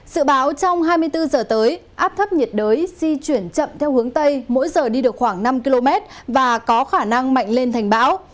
sự báo trong hai mươi bốn giờ tới áp thấp nhiệt đới di chuyển chậm theo hướng tây mỗi giờ đi được khoảng năm km và có khả năng mạnh lên thành bão